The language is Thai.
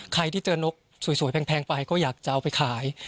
ใครที่เจอนกสวยแพงไปก็อยากจะเอาไปขาย